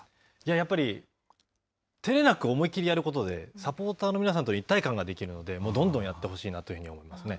やっぱり照れなく思い切りやることで、サポーターの皆さんとの一体感ができるので、どんどんやってほしいなと思いますね。